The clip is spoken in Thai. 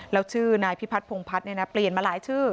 แล้วชื่อนายพิพัฒนพงพัฒน์เปลี่ยนมาหลายชื่อ